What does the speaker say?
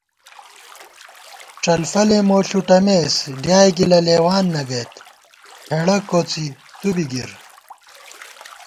ڄلفَلےمو ݪُٹمېس ڈیائے گِلہ لېوان نہ گَئیت ہېڑہ کوڅی تُو بی گِر